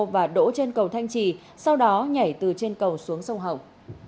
và đổ trên cầu thanh chỉ sau đó nhảy từ trên cầu xuống sông hồng